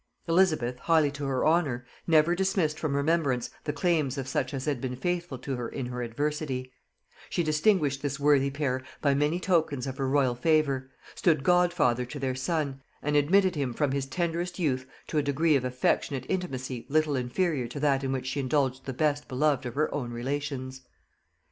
Elizabeth, highly to her honor, never dismissed from remembrance the claims of such as had been faithful to her in her adversity; she distinguished this worthy pair by many tokens of her royal favor; stood godfather to their son, and admitted him from his tenderest youth to a degree of affectionate intimacy little inferior to that in which she indulged the best beloved of her own relations.